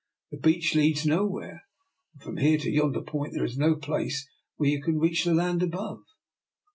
The beach leads no where, and from here to yonder point there is no place where you can reach the land above."